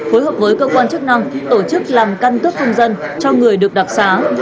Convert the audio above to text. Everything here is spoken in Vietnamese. hối hợp với cơ quan chức năng tổ chức làm căn cướp phương dân cho người được đặc sá